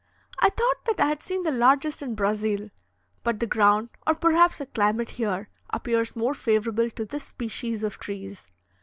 I thought that I had seen the largest in Brazil, but the ground, or perhaps the climate, here appears more favourable to this species of trees.